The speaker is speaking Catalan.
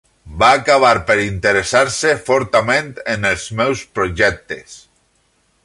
Va acabar per interessar-se fortament en els meus projectes.